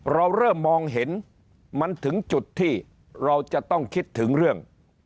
เราเริ่มมองเห็นมันถึงจุดที่เราจะต้องคิดถึงเรื่อง